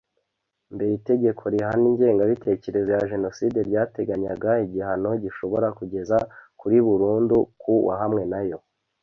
Mbere itegeko rihana ingengabitekerezo ya Jenoside ryateganyaga igihano gishobora kugeza kuri burundu ku wahamwe nayo